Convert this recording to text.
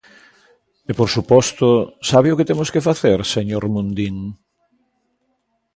E, por suposto, ¿sabe o que temos que facer, señor Mundín?